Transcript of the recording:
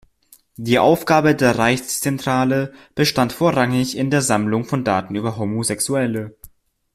Die Aufgabe der Reichszentrale bestand vorrangig in der Sammlung von Daten über Homosexuelle.